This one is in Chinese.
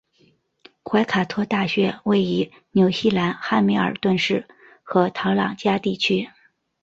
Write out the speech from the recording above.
怀卡托大学位于纽西兰汉密尔顿市和陶朗加地区。